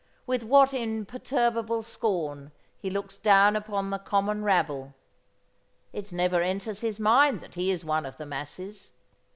With what imperturbable scorn he looks down upon the common rabble! It never enters his mind that he is one of the masses.